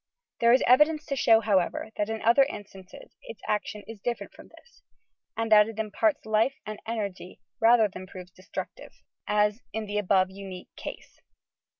There is evidence to show, however, that in other in stances its action is different from this, and that it im parts life and energy rather than proves destructive, as YOUR PSYCHIC POWERS in tlie above unique case.